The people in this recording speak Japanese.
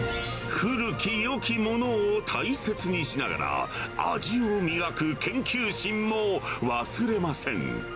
古きよきものを大切にしながら、味を磨く研究心も忘れません。